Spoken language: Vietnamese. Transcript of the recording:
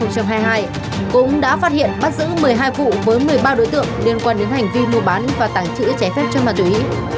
cũng đã phát hiện bắt giữ một mươi hai vụ với một mươi ba đối tượng liên quan đến hành vi mua bán và tàng trữ trái phép chân ma túy